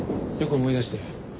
よく思い出して。